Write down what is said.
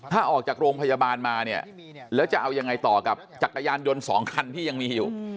ถ้าออกจากโรงพยาบาลมาเนี่ยแล้วจะเอายังไงต่อกับจักรยานยนต์๒คันที่ยังมีอยู่